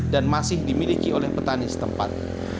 dan masih dimiliki oleh petani setempat